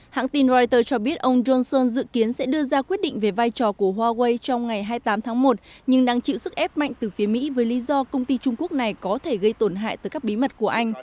hãng tin reuters cho biết ông johnson dự kiến sẽ đưa ra quyết định về vai trò của huawei trong ngày hai mươi tám tháng một nhưng đang chịu sức ép mạnh từ phía mỹ với lý do công ty trung quốc này có thể gây tổn hại tới các bí mật của anh